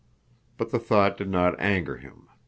But the thought did not anger him.